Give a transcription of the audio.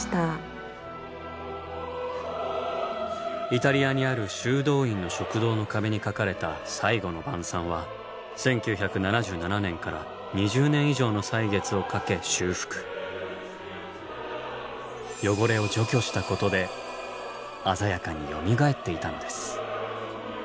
イタリアにある修道院の食堂の壁に描かれた「最後の晩餐」は１９７７年から汚れを除去したことで鮮やかによみがえっていたのです。